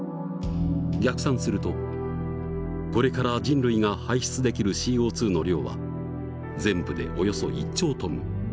逆算するとこれから人類が排出できるＣＯの量は全部でおよそ１兆トン。